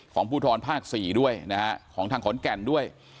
ของผู้ทรภาคสี่ด้วยนะฮะของทางขนแก่นด้วย